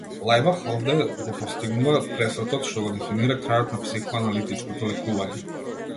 Лајбах овде го постигнува пресвртот што го дефинира крајот на психоаналитичкото лекување.